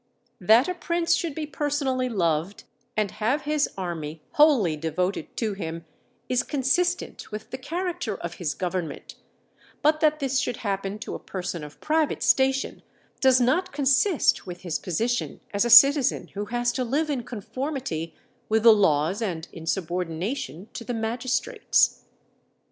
That a prince should be personally loved and have his army wholly devoted to him is consistent with the character of his government; but that this should happen to a person of private station does not consist with his position as a citizen who has to live in conformity with the laws and in subordination to the magistrates.